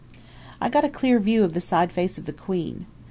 I got a clear view of the side face of the queen.